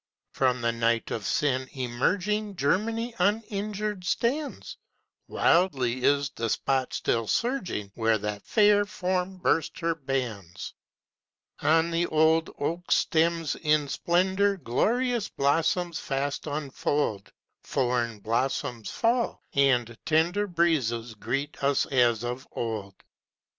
From the night of sin emerging Germany uninjured stands; Wildly is the spot still surging, Where that fair form burst her bands. On the old oak's stems in splendour Glorious blossoms fast unfold; Foreign blossoms fall, and tender Breezes greet us as of old.